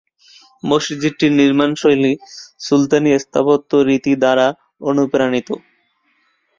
মসজিদটির নির্মাণ শৈলী সুলতানি স্থাপত্য রীতি দ্বারা অনুপ্রাণিত।